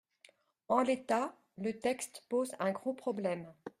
En l’état, le texte pose un gros problème.